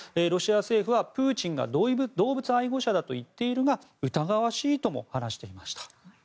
ロシア政府はプーチンが動物愛護者だと言っているが疑わしいとも話していました。